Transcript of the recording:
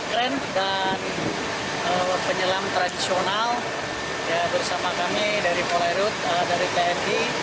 kren dan penyelam tradisional bersama kami dari polairut dari tni